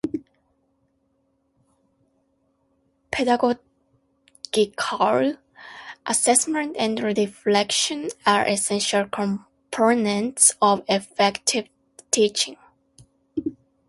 Pedagogical assessment and reflection are essential components of effective teaching.